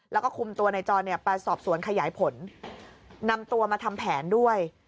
แล้วก็คุมตัวนายจรเนี่ยไปสอบสวนขยายผลนำตัวมาทำแผนด้วย